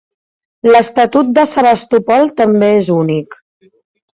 L'estatut de Sevastopol també és únic.